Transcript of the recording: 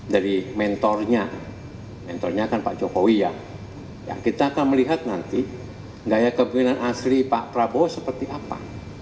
dari mentornya mentornya kan pak jokowi ya kita akan melihat nanti gaya kebenaran asli pak prabowo seperti apa